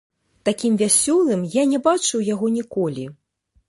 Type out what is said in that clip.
Такім вясёлым я не бачыў яго ніколі.